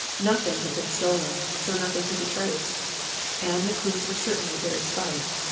Nothing had been stolen, so nothing could be traced; and the clues were certainly very slight.